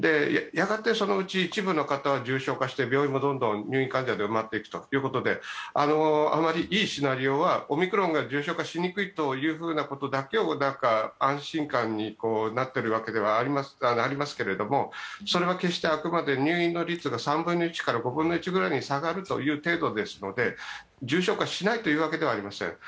やがて、そのうち一部の方は重症化して病院もどんどん入院患者で埋まっていくということであまりいいシナリオは、オミクロン株が重症化しにくいということだけが安心感になっているわけでありますけれども、それは決してあくまで入院率が３分の１から５分の１に下がるというだけですから、重症化しないというわけではありません。